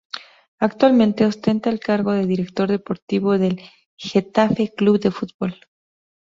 Actualmente ostenta el cargo de director deportivo del Getafe Club de Fútbol.